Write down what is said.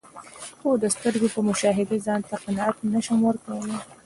خو د سترګو په مشاهده ځانته قناعت نسم ورکول لای.